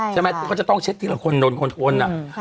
ใช่ไหมก็จะต้องเช็คทีละคนโดนคนทน